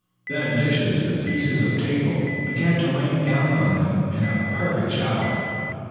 Then dishes and pieces of table began to rain down on them in a perfect shower.